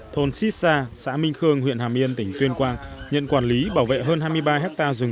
thôn sisa xã minh khương huyện hà miên tỉnh tuyên quang nhận quản lý bảo vệ hơn hai mươi ba hectare rừng